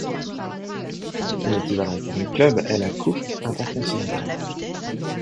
Son équivalent pour les clubs est la Coupe intercontinentale.